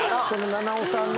菜々緒さんのね。